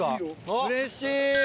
うれしい！